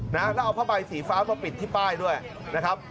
แล้วเอาผ้าใบสีฟ้ามาปิดที่ป้ายด้วยนะครับ